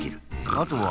あとは。